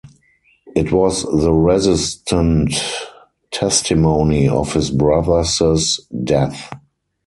It was the resistant testimony of his brothers’ death.